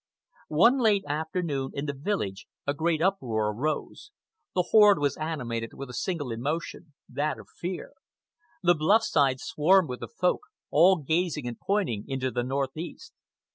One late afternoon, in the village, a great uproar arose. The horde was animated with a single emotion, that of fear. The bluff side swarmed with the Folk, all gazing and pointing into the northeast.